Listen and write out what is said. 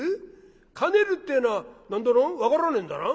『かねる』ってえのは何だろう分からねえんだな？